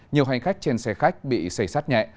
nhiều hành khách trên xe khách bị xây sát nhẹ